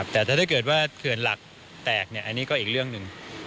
แต่ถ้าเกิดว่าเขื่อนหลักแตกอันนี้ก็อีกเรื่องหนึ่ง